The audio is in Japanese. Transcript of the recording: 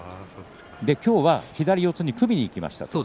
今日は左四つに組みにいきました。